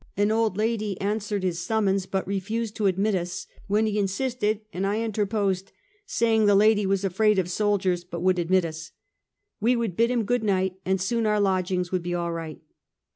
An old lady answered his sum mons, but refused to admit us: when he insisted and I interposed, saying the lady was afraid of soldiers, but would admit us. We would bid him good night, and soon our lodgings would be all right.